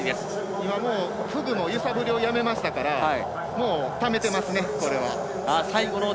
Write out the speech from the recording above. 今もうフグの揺さぶりをやめましたからためてますね、これは。